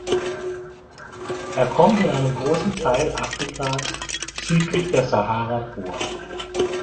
Er kommt in einem großen Teil Afrikas südlich der Sahara vor.